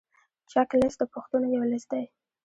چک لیست د پوښتنو یو لیست دی.